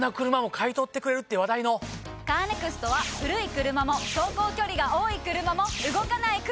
カーネクストは古い車も走行距離が多い車も動かない車でも。